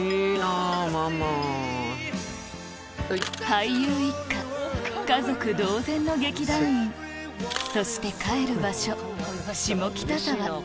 俳優一家家族同然の劇団員そして帰る場所下北沢